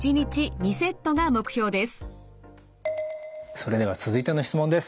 それでは続いての質問です。